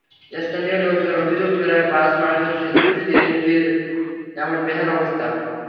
স্থানীয় লোকজনের অভিযোগ, প্রায় পাঁচ মাস ধরে সেতু তিনটির এমন বেহাল অবস্থা।